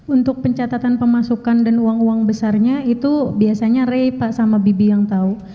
untuk pencatatan pemasukan dan uang uang besarnya itu biasanya ray pak sama bibi yang tahu